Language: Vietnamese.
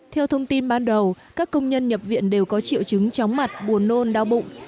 theo thông tin ban đầu các công nhân nhập viện đều có triệu chứng chóng mặt buồn nôn đau bụng